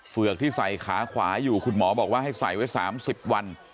เฝือกที่ใส่ขาขวาอยู่คุณหมอบอกว่าให้ใส่ไว้๓๐วัน